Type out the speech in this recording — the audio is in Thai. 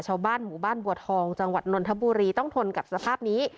ชาวบ้านหมู่บ้านบัวทองจังหวัดนนทบุรีต้องทนกับสภาพนี้